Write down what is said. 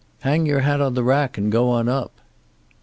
"Hang your hat on the rack and go on up."